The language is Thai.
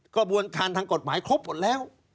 กระบวนการทางกฎหมายครบหมดแล้ว